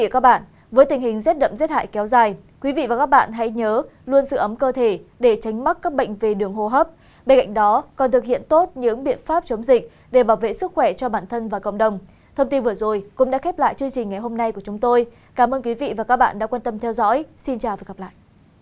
cảm ơn các bạn đã theo dõi và hẹn gặp lại